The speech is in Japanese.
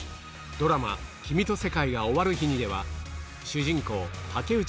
ドラマ『君と世界が終わる日に』では主人公竹内